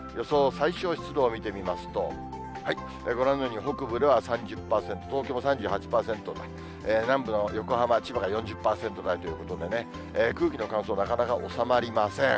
最小湿度を見てみますと、ご覧のように北部では３０％、東京も３８％、南部の横浜、千葉４０％台ということでね、空気の乾燥なかなか収まりません。